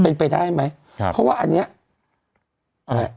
เป็นไปได้ไหมครับเพราะว่าอันเนี้ยอะไร